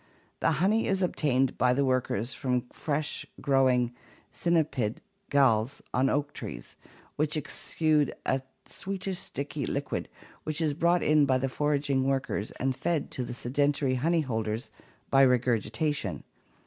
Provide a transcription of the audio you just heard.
The honey is obtained by the workers from fresh (growing) cynipid galls on oak trees, which exude a sweetish sticky liquid which is brought in by the foraging workers and fed to the sedentary honey holders by regurgitation.